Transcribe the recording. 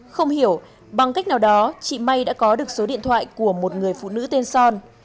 không hiểu bằng cách nào đó chị may đã có được số điện thoại của một người phụ nữ tên son